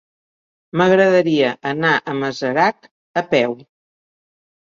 M'agradaria anar a Masarac a peu.